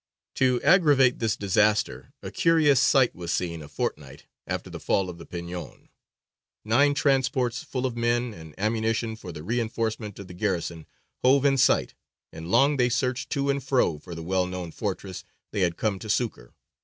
To aggravate this disaster, a curious sight was seen a fortnight after the fall of the Peñon. Nine transports, full of men and ammunition for the reinforcement of the garrison, hove in sight, and long they searched to and fro for the well known fortress they had come to succour.